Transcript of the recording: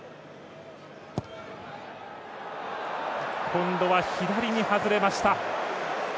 今度は左に外れました。